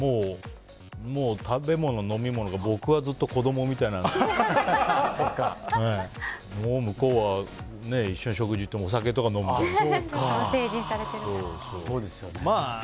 もう、食べ物、飲み物が僕はずっと子供みたいなんですけどもう向こうは一緒に食事行ってもお酒とか飲むので。